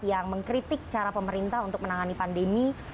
yang mengkritik cara pemerintah untuk menangani pandemi